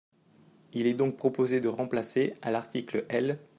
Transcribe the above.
Il est donc proposé de remplacer, à l’article L.